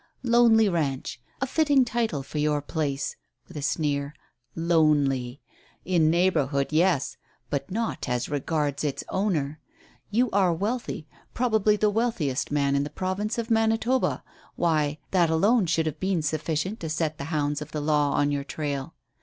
Lonely Ranch; a fitting title for your place," with a sneer. "Lonely! in neighbourhood, yes, but not as regards its owner. You are wealthy, probably the wealthiest man in the province of Manitoba; why, that alone should have been sufficient to set the hounds of the law on your trail.